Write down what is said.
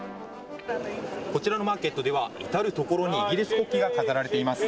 こちらのマーケットでは、至る所にイギリス国旗が飾られています。